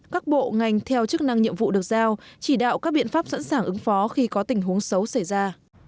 các bộ ngành theo chức năng nhiệm vụ được giao chỉ đạo các biện pháp sẵn sàng ứng phó khi có tình huống xấu xảy ra